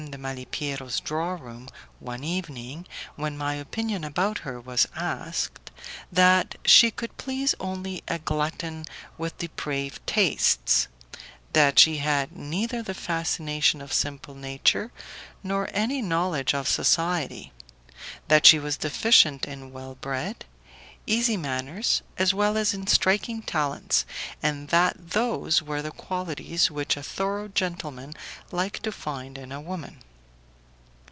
de Malipiero's draw room, one evening, when my opinion about her was asked, that she could please only a glutton with depraved tastes; that she had neither the fascination of simple nature nor any knowledge of society, that she was deficient in well bred, easy manners as well as in striking talents and that those were the qualities which a thorough gentleman liked to find in a woman.